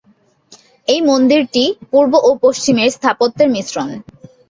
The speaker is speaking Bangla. এই মন্দিরটি পূর্ব এবং পশ্চিমের স্থাপত্যের মিশ্রণ।